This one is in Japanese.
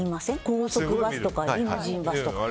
高速バスとかリムジンバスとか。